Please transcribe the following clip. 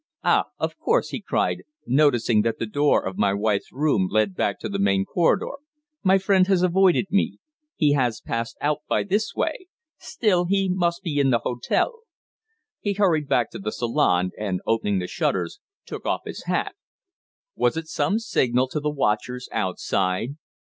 "Ah, of course!" he cried, noticing that the door of my wife's room led back to the main corridor; "my friend has avoided me. He has passed out by this way. Still, he must be in the hotel." He hurried back to the salon, and, opening the shutters, took off his hat. Was it some signal to the watchers outside?